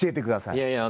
いやいや！